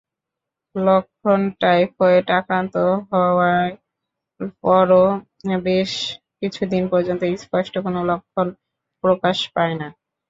লক্ষণটাইফয়েড আক্রান্ত হওয়ার পরও বেশ কিছুদিন পর্যন্ত স্পষ্ট কোনো লক্ষণ প্রকাশ পায় না।